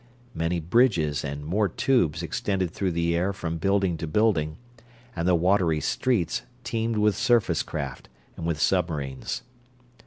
Many bridges and more tubes extended through the air from building to building, and the watery "streets" teemed with surface craft, and with submarines.